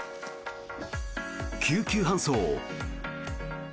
救急搬送。